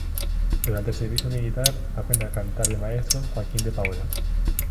Durante el servicio militar aprende a cantar del maestro Joaquín de Paula.